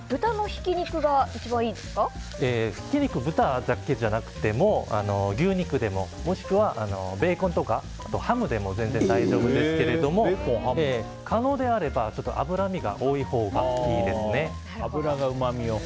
ひき肉は豚だけじゃなくても牛肉でも、もしくはベーコンとかあとハムでも全然大丈夫ですけど可能であれば脂身が多いほうがいいですね。